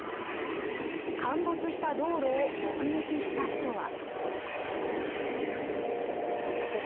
陥没した道路を目撃した人は。